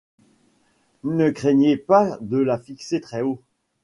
Ne craignez pas de la fixer très haut.